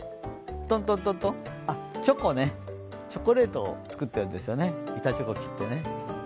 トントントン、あ、チョコね、チョコレート作ってるのね、板チョコ切ってね。